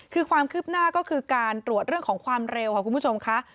คือความคืบหน้าก็คือการตรวจเรื่องของความเร็วค่ะคุณผู้ชมค่ะ